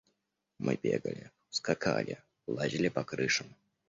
Мы бегали, скакали, лазили по крышам.